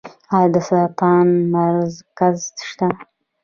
آیا د سرطان مرکز شته؟